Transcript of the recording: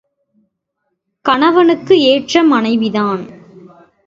கணவனுக்கு ஏற்ற மனைவிதான்.